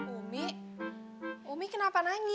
umi umi kenapa nangis